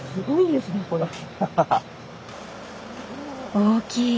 大きい！